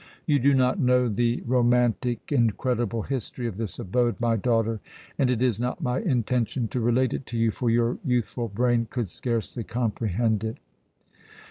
You do not know the romantic, incredible history of this abode, my daughter, and it is not my intention to relate it to you, for your youthful brain could scarcely comprehend it.